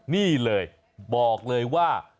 นี่เลยบอกเลยว่า